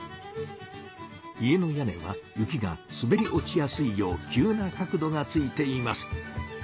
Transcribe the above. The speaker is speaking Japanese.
家の屋根は雪がすべり落ちやすいよう急な角度がついています。